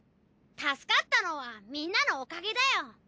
助かったのはみんなのおかげだよ。